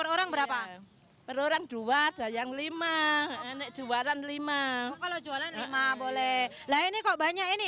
orang berapa per orang dua ada yang lima anak juara lima kalau jualan lima boleh lainnya kok banyak ini